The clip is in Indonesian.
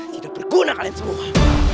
tidak berguna kalian semua